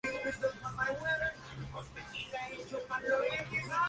Asimismo, publicó en "El Mundo" su libro "En Tierra Yankee".